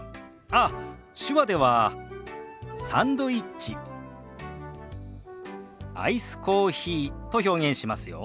ああ手話では「サンドイッチ」「アイスコーヒー」と表現しますよ。